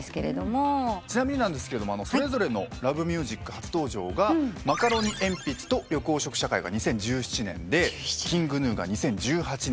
ちなみにそれぞれの『Ｌｏｖｅｍｕｓｉｃ』初登場がマカロニえんぴつと緑黄色社会が２０１７年でＫｉｎｇＧｎｕが２０１８年と。